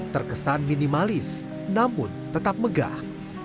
terkesan minimalis namun tetap megah